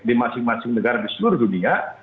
di masing masing negara di seluruh dunia